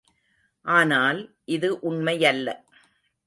ஆனால், இது உண்மையல்ல.